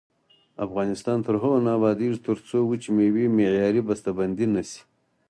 افغانستان تر هغو نه ابادیږي، ترڅو وچې میوې معیاري بسته بندي نشي.